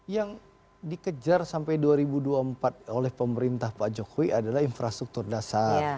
yang dikejar sampai dua ribu dua puluh empat oleh pemerintah pak jokowi adalah infrastruktur dasar